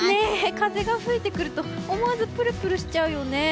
風が吹いてくると思わずぷるぷるしちゃうよね。